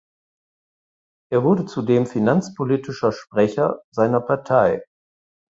Er wurde zudem finanzpolitischer Sprecher seiner Partei.